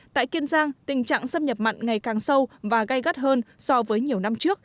tại kiên giang tình trạng xâm nhập mặn ngày càng sâu và gai gắt hơn so với nhiều năm trước